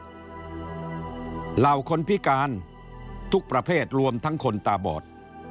เหล่าคนพิการทุกประเภทรวมทั้งคนตาบอด